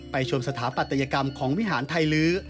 ชมสถาปัตยกรรมของวิหารไทยลื้อ